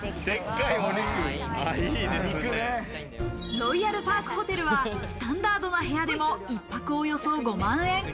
ロイヤルパークホテルはスタンダードな部屋でも一泊およそ５万円。